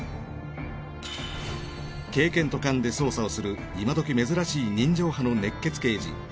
経験と勘で捜査をする今時珍しい人情派の熱血刑事。